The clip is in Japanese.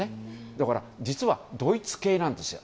だから実はドイツ系なんですよ